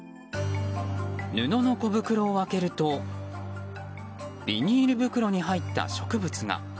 布の小袋を開けるとビニール袋に入った植物が。